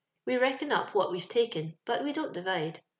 We reckons up what we%'e taken, but we don't divide.